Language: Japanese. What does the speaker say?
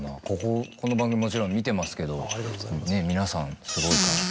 この番組もちろん見てますけど皆さんすごいから。